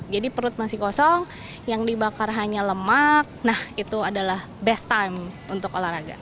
jadi perut masih kosong yang dibakar hanya lemak nah itu adalah best time untuk olahraga